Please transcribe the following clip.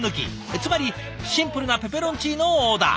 つまりシンプルなペペロンチーノをオーダー。